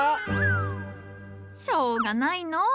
しょうがないのう。